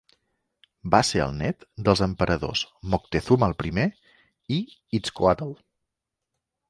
Va ser el nét dels emperadors Moctezuma el Primer i Itzcoatl.